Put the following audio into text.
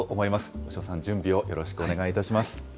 押尾さん、準備をよろしくお願いいたします。